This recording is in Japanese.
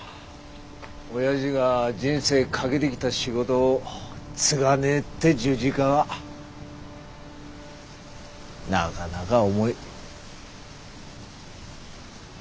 おやじが人生懸けてきた仕事を継がねえって十字架はなかなか重い。